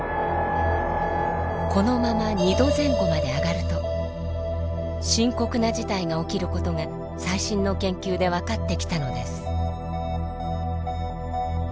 このまま２℃前後まで上がると深刻な事態が起きることが最新の研究で分かってきたのです。